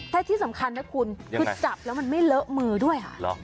และที่สำคัญนะคุณคือจับแล้วมันไม่เลอะมือด้วยค่ะ